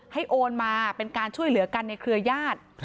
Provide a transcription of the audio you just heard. โอนมาเป็นการช่วยเหลือกันในเครือญาติ